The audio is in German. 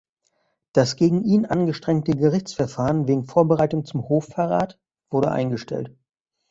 Das gegen ihn angestrengte Gerichtsverfahren wegen Vorbereitung zum Hochverrat wurde eingestellt.